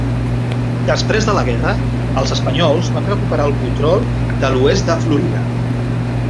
Després de la guerra, els espanyols van recuperar el control de l'oest de Florida.